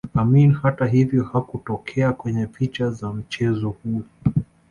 Amin hatahivyo hakutokea kwenye picha za mchezo huo